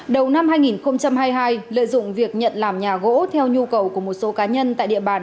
đầu năm hai nghìn hai mươi hai lợi dụng việc nhận làm nhà gỗ theo nhu cầu của một số cá nhân tại địa bàn